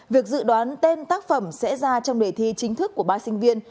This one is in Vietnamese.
việc dự đoán tên tác phẩm sẽ ra trong đề thi chính thức của ba sinh viên